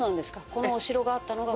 このお城があったのがここ。